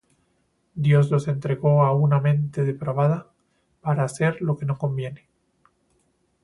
Dios los entregó á una mente depravada, para hacer lo que no conviene,